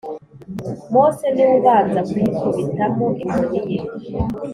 Mose ni we ubanza kuyikubitamo inkoni ye